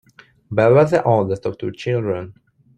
Bel was the oldest of two children.